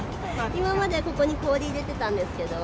今までここに氷入れてたんですけ